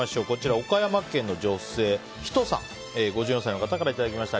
岡山県の女性、５４歳の方からいただきました。